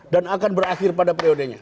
dan akan berakhir pada periodenya